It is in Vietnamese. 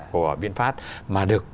của vinfast mà được